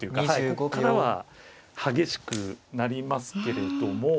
ここからは激しくなりますけれども。